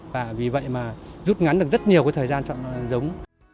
và vì vậy mà rút ngắn được rất nhiều thời gian chọn giống